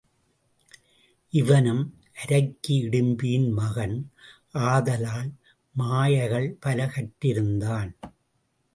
இவனும் அரக்கி இடிம்பியின் மகன் ஆதலால் மாயைகள் பல கற்று இருந்தான்.